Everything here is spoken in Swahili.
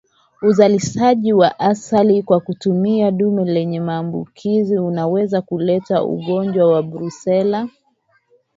Uzalishaji wa asili kwa kutumia dume lenye maambukizi huweza kuleta ugonjwa wa Brusela